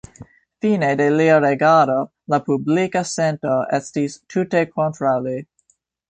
Fine de lia regado, la publika sento estis tute kontraŭ li.